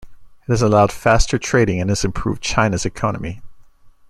It has allowed faster trading and has improved China's economy.